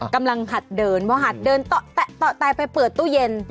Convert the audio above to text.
กำลังหัดเดินหัดเดินตะตะตะไปเปิดตู้เย็น